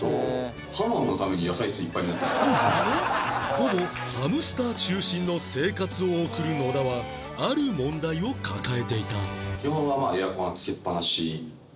ほぼハムスター中心の生活を送る野田はある問題を抱えていた